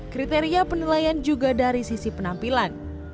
kriteria penilaian juga dari sisi penampilan